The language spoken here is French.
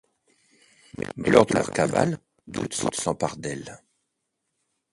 Mais lors de leur cavale, le doute s’empare d’elle…